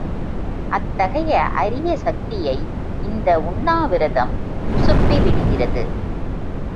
அத்தகைய அரிய சக்தியை இந்த உண்ணா விரதம் உசுப்பிவிடுகிறது.